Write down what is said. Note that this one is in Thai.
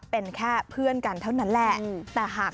เป็นแค่เพื่อนกันเท่านั้นแหละแต่หาก